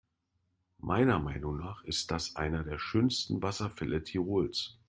Meiner Meinung nach ist das einer der schönsten Wasserfälle Tirols.